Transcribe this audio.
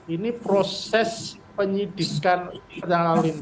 ini proses penyidikan jalan lintasaya sudah penanyakan ke pihak oranyeeng and